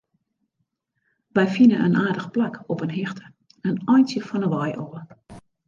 Wy fine in aardich plak op in hichte, in eintsje fan 'e wei ôf.